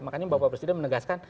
jadi saya menegaskan